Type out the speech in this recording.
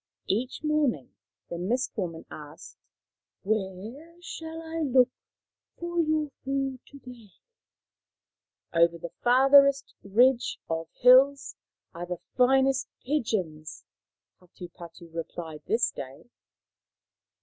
Each morning the Mist woman asked, " Where shall I look for your food to day ?"" Over the farthest ridge of hills are the finest pigeons," Hatupatu replied this day.